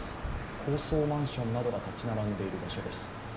高層マンションなどが建ち並んでいる場所です。